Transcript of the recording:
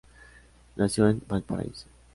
Nació en Valparaíso.